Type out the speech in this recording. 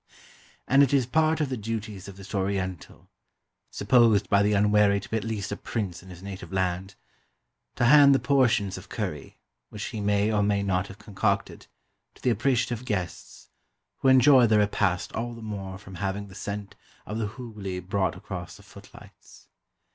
And it is part of the duties of this Oriental supposed by the unwary to be at least a prince in his native land to hand the portions of curry, which he may or may not have concocted, to the appreciative guests, who enjoy the repast all the more from having the scent of the Hooghly brought across the footlights.